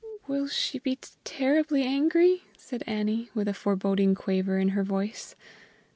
"Will she be terribly angry?" said Annie, with a foreboding quaver in her voice.